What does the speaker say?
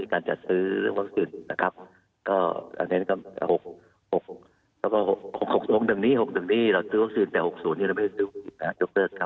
แต่ไปดูแล้วเนี่ย